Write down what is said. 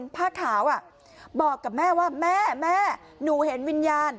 ผ้าขาวบอกกับแม่ว่าแม่แม่หนูเห็นวิญญาณ